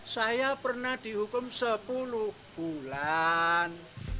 saya pernah dihukum sepuluh bulan